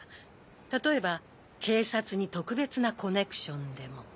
例えば警察に特別なコネクションでも。